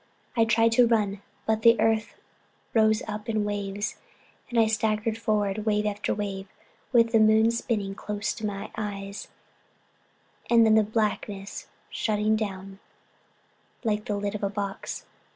I tried to run but the earth rose up in waves and I staggered forward over them, wave after wave, with the moon spinning close to my eyes, and then blackness shutting down like the lid of a box.